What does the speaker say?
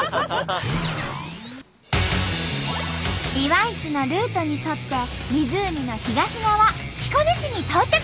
ビワイチのルートに沿って湖の東側彦根市に到着。